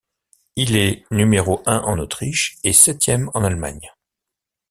Il est numéro un en Autriche et septième en Allemagne.